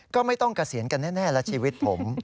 ก็ไม่ต้องเกษียณกันแน่แล้วชีวิตผม